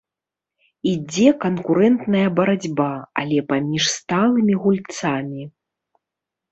Ідзе канкурэнтная барацьба, але паміж сталымі гульцамі.